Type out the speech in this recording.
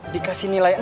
dikasih nilai